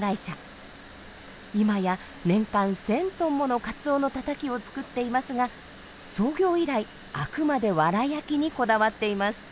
今や年間１，０００トンものカツオのたたきを作っていますが創業以来あくまでワラ焼きにこだわっています。